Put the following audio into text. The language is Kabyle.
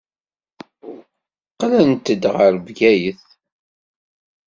Qqlent ɣer Bgayet.